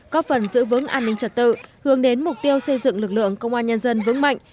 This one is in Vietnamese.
có phần giữ vững an ninh trật tự hướng đến mục tiêu xây dựng lực lượng công an nhân dân vững mạnh